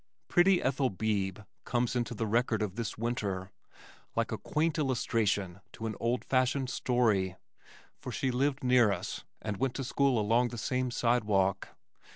Pretty Ethel Beebe comes into the record of this winter, like a quaint illustration to an old fashioned story, for she lived near us and went to school along the same sidewalk.